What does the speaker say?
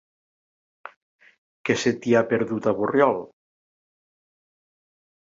Què se t'hi ha perdut, a Borriol?